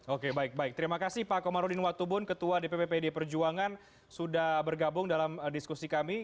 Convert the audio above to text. oke baik baik terima kasih pak komarudin watubun ketua dpp pd perjuangan sudah bergabung dalam diskusi kami